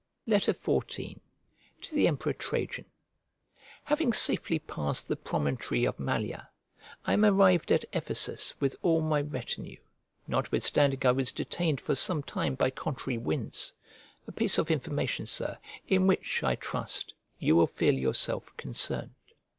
XIV To THE EMPEROR TRAJAN HAVING safely passed the promontory of Malea, I am arrived at Ephesus with all my retinue, notwithstanding I was detained for some time by contrary winds: a piece of information, Sir, in which, I trust, you will feel yourself concerned.